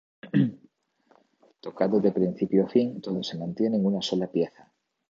Tocado de principio a fin, todo se mantiene en una sola pieza".